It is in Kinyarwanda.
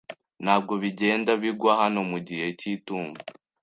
Ntabwo bigenda bigwa hano mu gihe cy'itumba.